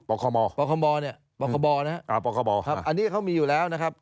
ปกบปกบปกบนะครับอันนี้เขามีอยู่แล้วนะครับ